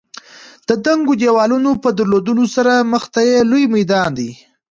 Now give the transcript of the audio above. د دنګو دېوالونو په درلودلو سره مخې ته یې لوی میدان دی.